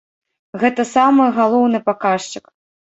Гэта самы галоўны паказчык.